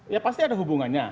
ya pasti ada hubungannya